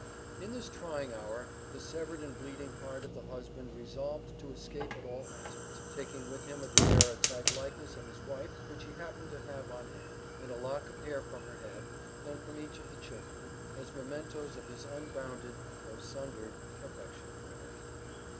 In this trying hour, the severed and bleeding heart of the husband resolved to escape at all hazards, taking with him a daguerreotype likeness of his wife which he happened to have on hand, and a lock of hair from her head, and from each of the children, as mementoes of his unbounded (though sundered) affection for them.